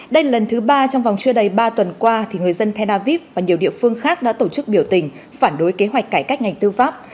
đây là lần thứ ba trong vòng chưa đầy ba tuần qua người dân tel aviv và nhiều địa phương khác đã tổ chức biểu tình phản đối kế hoạch cải cách ngành tư pháp